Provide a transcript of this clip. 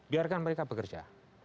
biarkan mereka bekerja